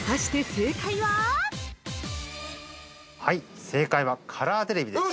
◆正解はカラーテレビです。